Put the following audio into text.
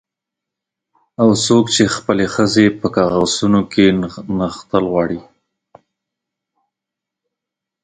او څوک چې خپلې ښځې په کاغذونو کې نغښتل غواړي